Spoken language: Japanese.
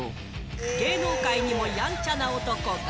芸能界にもやんちゃな男が。